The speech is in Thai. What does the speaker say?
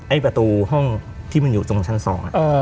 ประตูห้องที่มันอยู่ตรงชั้นสอง